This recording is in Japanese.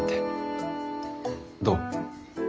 どう？